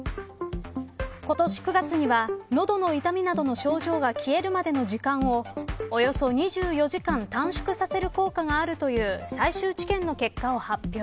今年９月には喉の痛みなどの症状が消えるまでの時間をおよそ２４時間短縮させる効果があるという最終治験の結果を発表。